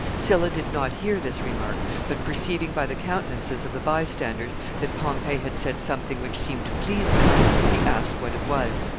Sylla did not hear this remark, but, perceiving by the countenances of the by standers that Pompey had said something which seemed to please them, he asked what it was.